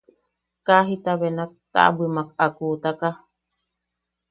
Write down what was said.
Kaa jita benak taʼabwimak a kuutaka.